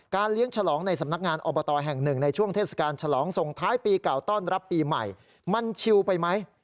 เลี้ยงฉลองในสำนักงานอบตแห่งหนึ่งในช่วงเทศกาลฉลองส่งท้ายปีเก่าต้อนรับปีใหม่มันชิวไปไหม